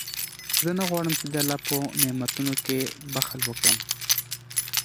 زه نه غواړم چې د الله په نعمتونو کې بخل وکړم.